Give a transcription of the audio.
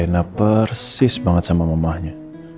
ini rena persis banget sama mamahnya